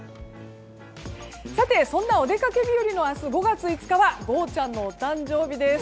さて、そんなお出かけ日和の明日５月５日はゴーちゃん。のお誕生日です。